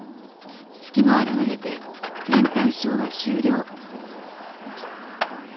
月も現れて天体ショーは終了。